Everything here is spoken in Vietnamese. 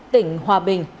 tỉnh hòa bình